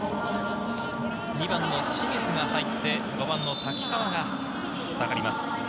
２番の清水が入って５番の瀧川が下がります。